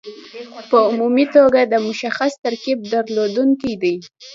په عمومي توګه د مشخص ترکیب درلودونکي دي.